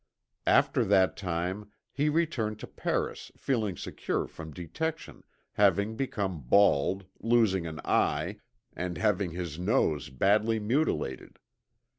After that time he returned to Paris feeling secure from detection, having become bald, losing an eye, and having his nose badly mutilated.